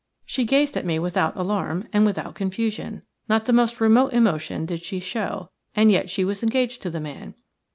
She gazed at me without alarm and without confusion. Not the most remote emotion did she show, and yet she was engaged to the man.